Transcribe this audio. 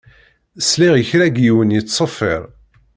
Sliɣ i kra n yiwen yettṣeffiṛ.